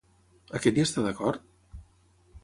Aquest hi està d'acord?